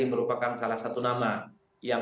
merupakan salah satu nama yang